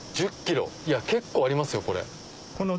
いや結構ありますよこれ。